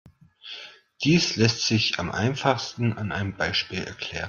Dies lässt sich am einfachsten an einem Beispiel erklären.